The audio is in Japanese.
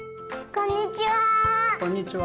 こんにちは。